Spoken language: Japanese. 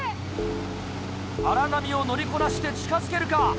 荒波を乗りこなして近づけるか？